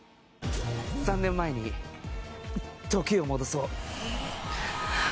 ３年前に時を戻そう。